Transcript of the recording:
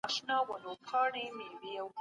آيا سياستپوهنه يوازي پر تجربه ولاړ نظام دی؟